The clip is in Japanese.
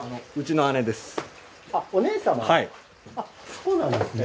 そうなんですね。